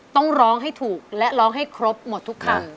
ต้องร้องให้ถูกและร้องให้ครบหมดทุกคำ